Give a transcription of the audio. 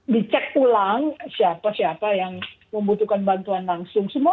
dicek ulang siapa siapa yang membutuhkan bantuan langsung